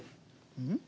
うん？